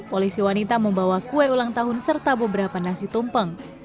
polisi wanita membawa kue ulang tahun serta beberapa nasi tumpeng